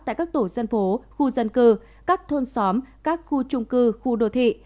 tại các tổ dân phố khu dân cư các thôn xóm các khu trung cư khu đô thị